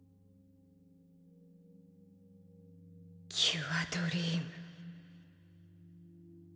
キュアドリーム。